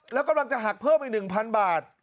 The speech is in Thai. แล้วกำลังจะหักเพิ่มอีก๑๐๐บาท